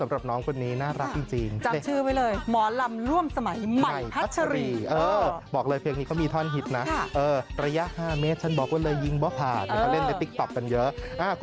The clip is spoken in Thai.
มั่งใจและค่อยอยู่ข้างกันแบบนี้นะคะพี่น้องค่ะ